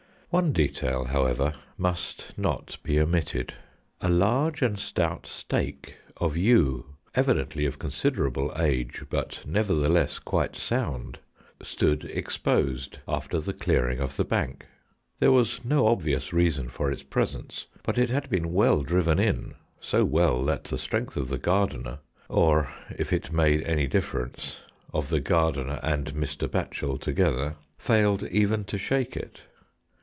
One detail, however, must not be omitted. A large and stout stake of yew, evidently of considerable age, but nevertheless quite sound, stood exposed after the clearing of the bank. There was no obvious reason for its presence, but it had been well driven in, so well that the strength of the gardener, or, if it made any difference, of the gardener and Mr. Batchel together, failed even to shake it.